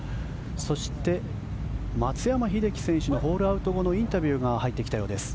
そして、松山英樹選手のホールアウト後のインタビューが入ってきたようです。